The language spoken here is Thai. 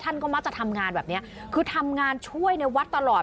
ก็มักจะทำงานแบบเนี้ยคือทำงานช่วยในวัดตลอด